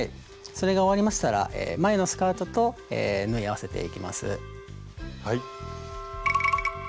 それが終わりましたら前のスカートと縫い合わせていきます。